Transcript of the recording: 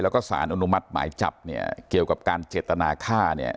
แล้วก็สารอนุมัติหมายจับเนี่ยเกี่ยวกับการเจตนาฆ่าเนี่ย